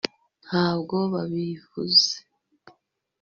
ntabwo babivuze